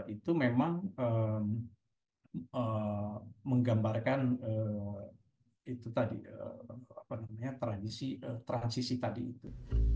itu memang menggambarkan itu tadi apa namanya tradisi transisi tadi itu